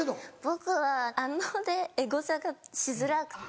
僕は「あの」でエゴサがしづらくて。